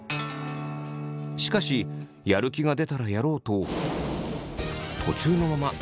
しかしやる気が出たらやろうと途中のままやめてしまいました。